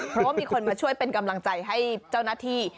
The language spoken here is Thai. เพราะว่ามีคนมาช่วยเป็นกำลังใจให้เจ้าหน้าที่